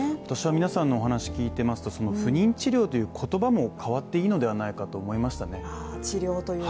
私は皆さんのお話を聞いてますと不妊治療という言葉も変わっていいんじゃないかと思いましたね。